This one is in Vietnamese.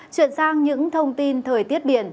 chuyển sang những thông tin thời tiết biển